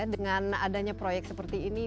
dengan adanya proyek seperti ini